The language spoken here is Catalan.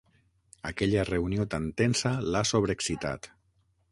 Aquella reunió tan tensa l'ha sobreexcitat.